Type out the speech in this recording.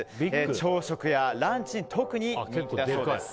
朝食やランチに特に人気だそうです。